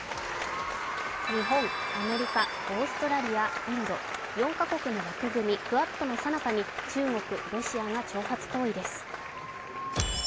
日本、アメリカ、オーストラリア、印度、４カ国の枠組み、クアッドのさなかに中国、ロシアが挑発行為です。